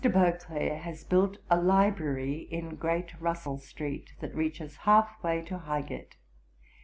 Beauclerk has built a library in Great Russellstreet, that reaches half way to Highgate.